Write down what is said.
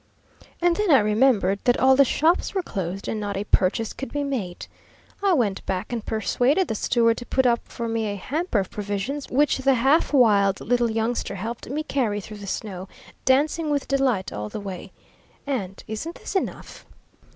And then I remembered that all the shops were closed, and not a purchase could be made. I went back and persuaded the steward to put up for me a hamper of provisions, which the half wild little youngster helped me carry through the snow, dancing with delight all the way. And isn't this enough?"